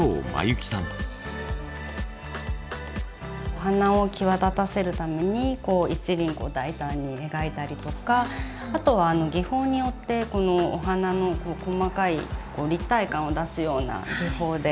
お花を際立たせるために一輪大胆に描いたりとかあとは技法によってこのお花の細かい立体感を出すような技法で。